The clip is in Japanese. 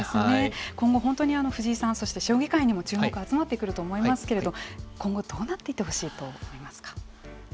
今後本当に藤井さんそして将棋界にも注目が集まってくると思いますけれど今後どうなっていってほしいと思いますか。